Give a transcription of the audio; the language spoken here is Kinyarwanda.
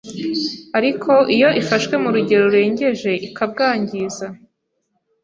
ariko iyo ifashwe mu rugero rurengeje ikabwangiza